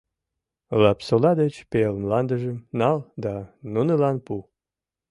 Лапсола деч пел мландыжым нал да нунылан пу.